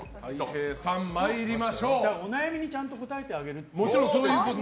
お悩みにちゃんと答えてあげるっていう。